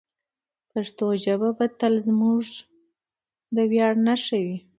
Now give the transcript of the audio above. پښتو ژبه به تل زموږ د ویاړ نښه وي.